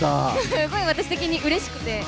すごい私的にうれしくて。